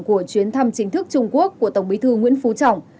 của chuyến thăm chính thức trung quốc của tổng bí thư nguyễn phú trọng